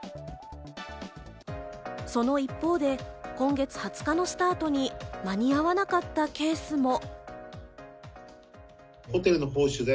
その一方で、今月２０日のスタートに間に合わなかったケースも。